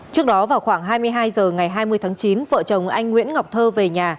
trước đó vào khoảng hai mươi hai h ngày hai mươi tháng chín vợ chồng anh nguyễn ngọc thơ về nhà